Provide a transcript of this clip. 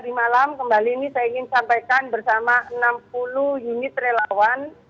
tadi malam kembali ini saya ingin sampaikan bersama enam puluh unit relawan